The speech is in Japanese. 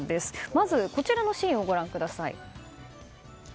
まずこちらのシーンをご覧ください。